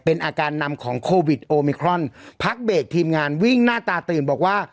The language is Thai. เป็นอาการนำของโควิดโอมิครอนพักเบรกทีมงานวิ่งหน้าตาตื่นบอกว่า